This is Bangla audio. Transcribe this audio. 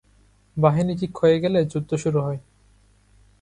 বাহিনী ঠিক হয়ে গেলে যুদ্ধ শুরু হয়।